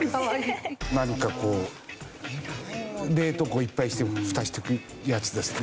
何かこう冷凍庫いっぱいにしてフタしておくやつですね。